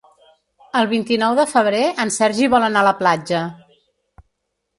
El vint-i-nou de febrer en Sergi vol anar a la platja.